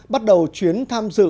bắt đầu chuyến tham dự